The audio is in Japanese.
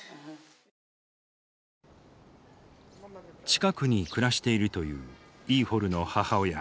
近くに暮らしているというイーホルの母親。